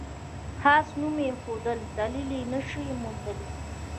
خاص نوم ایښودل دلیل نه شي موندلای.